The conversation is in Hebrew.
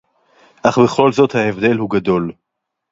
אַךְ בְּכָל זֹאת הַהֶבְדֵל הוּא גָדוֹל.